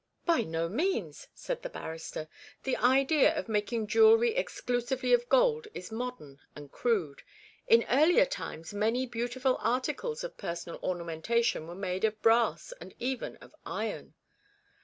'By no means,' said the barrister; 'the idea of making jewellery exclusively of gold is modern and crude. In earlier times many beautiful articles of personal ornamentation were made of brass and even of iron.'